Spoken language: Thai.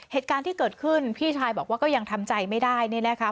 เหตุการณ์ที่เกิดขึ้นพี่ชายบอกว่าก็ยังทำใจไม่ได้เนี่ยนะคะ